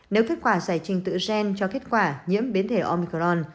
nếu kết quả giải trình tự gen cho kết quả nhiễm biến thể omicron